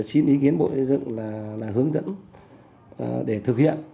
xin ý kiến bộ xây dựng là hướng dẫn để thực hiện